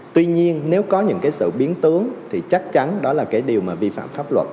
tuy nhiên nếu có những cái sự biến tướng thì chắc chắn đó là cái điều mà vi phạm pháp luật